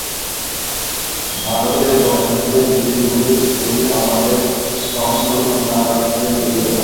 ভারতের বাহিরের দেশগুলির সহিত আমাদের সংস্রব না রাখিলে চলিবে না।